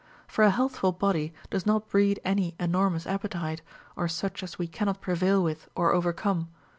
For a healthful body does not breed any enormous appetite, or such as we cannot prevail Avith or overcome.